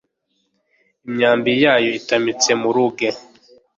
imyambi yayo itamitse mu ruge